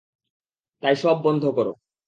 তাই সব বন্ধ করো।